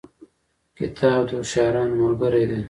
کتاب د هوښیارانو ملګری دی.